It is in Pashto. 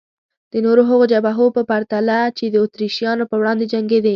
د نورو هغو جبهو په پرتله چې د اتریشیانو په وړاندې جنګېدې.